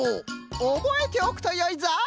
おぼえておくとよいぞ！